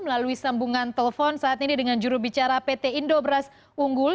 melalui sambungan telepon saat ini dengan jurubicara pt indobras unggul